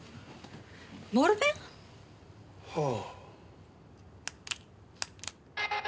ボールペン？はあ。